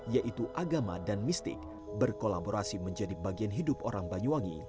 yaitu agama dan mistik berkolaborasi menjadi bagian hidup orang banyuwangi